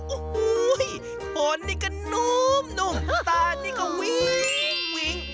อุ๊ยผ่อนนี่ก็นุ่มนุ่มตานี่ก็วิ้งวิ้ง